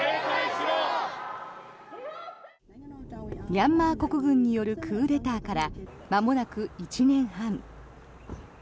ミャンマー国軍によるクーデターからまもなく１年半。